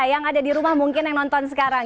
yang ada di rumah mungkin yang nonton sekarang